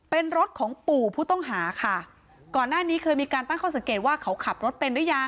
เป็นรถของปู่ผู้ต้องหาค่ะก่อนหน้านี้เคยมีการตั้งข้อสังเกตว่าเขาขับรถเป็นหรือยัง